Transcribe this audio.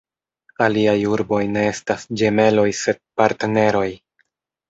Aliaj urboj ne estas ĝemeloj sed partneroj.